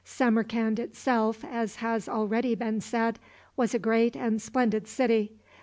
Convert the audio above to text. Samarcand itself, as has already been said, was a great and splendid city.